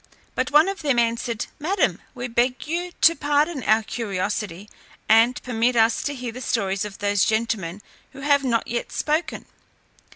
But one of them answered, "Madam, we beg you to pardon our curiosity, and permit us to hear the stories of those gentlemen who have not yet spoken."